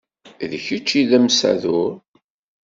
D kečč ay d amsadur.